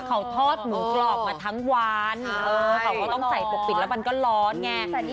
เขาทอดหมูกรอบมาทั้งวันเขาก็ต้องใส่ปกปิดแล้วมันก็ร้อนไง